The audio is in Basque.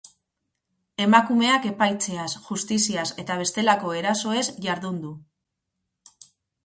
Emakumeak epaitzeaz, justiziaz eta bestelako erasoez jardun du.